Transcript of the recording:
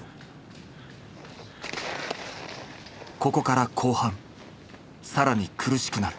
ここから後半更に苦しくなる。